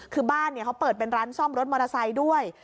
คือบ้านเขาเปิดเป็นร้านซ่อมรถมอเตอร์ไซค์ด้วย